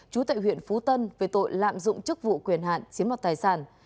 chú tệ huyện phú tân về tội lạm dụng chức vụ quyền hạn chiếm mặt tài sản